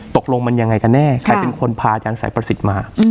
ตกลงมันยังไงกันแน่ใครเป็นคนพาอาจารย์สายประสิทธิ์มา